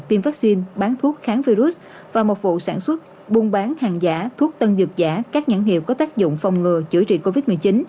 tiêm vaccine bán thuốc kháng virus và một vụ sản xuất buôn bán hàng giả thuốc tân dược giả các nhãn hiệu có tác dụng phòng ngừa chữa trị covid một mươi chín